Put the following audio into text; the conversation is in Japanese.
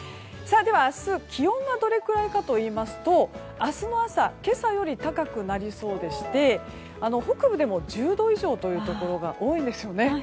では明日、気温はどれくらいかといいますと明日の朝今朝より高くなりそうでして北部でも１０度以上というところが多いんですね。